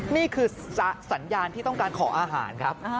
นี่คือสัญญาณที่ต้องการขออาหารครับ